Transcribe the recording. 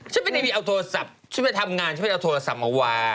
ช่วยไปทำงานช่วยไปเอาโทรศัพท์มาวาง